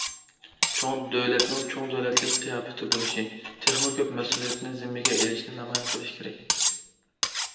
چوڭ دۆلەتنىڭ چوڭ دۆلەتلىك قىياپىتى بولۇشى، تېخىمۇ كۆپ مەسئۇلىيەتنى زىممىگە ئېلىشنى نامايان قىلىشى كېرەك.